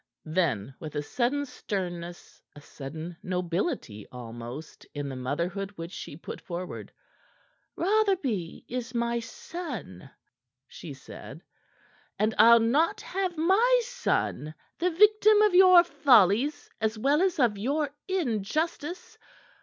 Then with a sudden sternness, a sudden nobility almost in the motherhood which she put forward "Rotherby is my son," she said, "and I'll not have my son the victim of your follies as well as of your injustice.